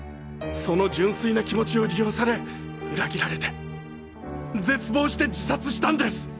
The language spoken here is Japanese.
その純粋な気持ちを利用され裏切られて絶望して自殺したんです！